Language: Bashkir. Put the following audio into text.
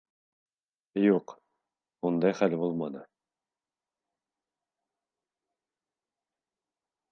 Юҡ, ундай хәл булманы.